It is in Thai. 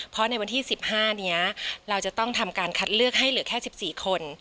เพราะในวันที่๑๕นี้เราจะต้องทำการคัดเลือกให้เหลือแค่๑๔คน